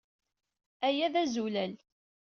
Aya d azulal.